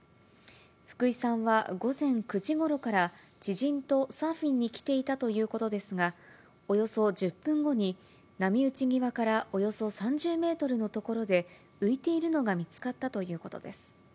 福井さんは午前９時ごろから、知人とサーフィンに来ていたということですが、およそ１０分後に、波打ち際からおよそ３０メートルの所で浮いているのが見つかったということです。